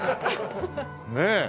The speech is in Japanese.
ねえ。